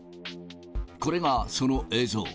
これがその映像。